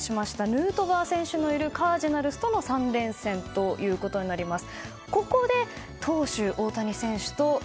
ヌートバー選手のいるカージナルスとの３連戦ということになります。